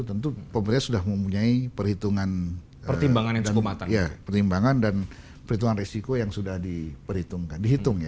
tentu pemerintah sudah mempunyai pertimbangan dan perhitungan resiko yang sudah diperhitungkan